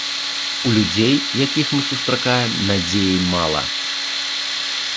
У людзей, якіх мы сустракаем, надзеі мала.